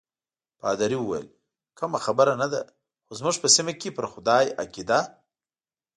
پادري وویل: کومه خبره نه ده، خو زموږ په سیمه کې پر خدای عقیده.